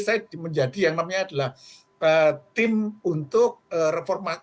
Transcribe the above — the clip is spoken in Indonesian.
saya menjadi yang namanya adalah tim untuk reformasi